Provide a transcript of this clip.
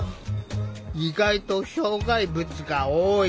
意外と障害物が多い。